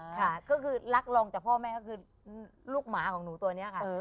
ค่ะก็คือรักรองจากพ่อแม่ก็คือลูกหมาของหนูตัวนี้ค่ะ